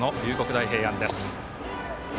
大平安です。